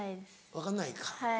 分かんないか。